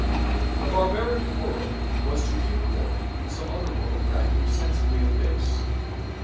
The barbaric world was to be rewarded in some other world for acting sensibly in this.